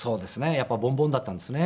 やっぱりボンボンだったんですね。